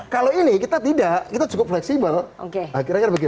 kalau ini kita tidak kita cukup fleksibel akhirnya begitu